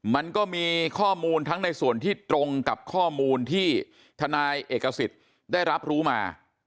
มันก็มีข้อมูลทั้งในส่วนที่ตรงกับข้อมูลที่ทนายเอกสิทธิ์ได้รับรู้มา